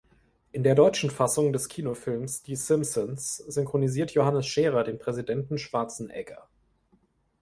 In der deutschen Fassung des Kinofilms Die Simpsons synchronisiert Johannes Scherer den Präsidenten Schwarzenegger.